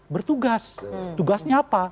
bertugas tugasnya apa